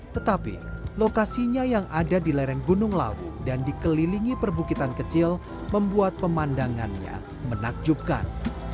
tetapi lokasinya yang ada di lereng gunung lawu dan dikelilingi perbukitan kecil membuat pemandangannya menakjubkan